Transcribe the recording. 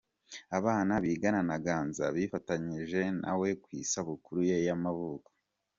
Abana bigana na Ganza bifatanyije na we ku isabukuru ye y'amavuko.